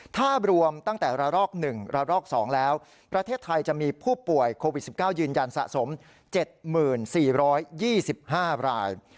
ถ้ารวมตั้งแต่ระลอก๑ระลอก๒แล้วประเทศไทยจะมีผู้ป่วยโควิด๑๙ยืนยันสะสม๗๔๒๕ราย